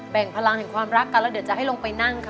่งพลังแห่งความรักกันแล้วเดี๋ยวจะให้ลงไปนั่งค่ะ